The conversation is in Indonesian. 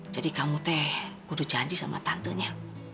jadi kamu teh kudu janji sama tante nya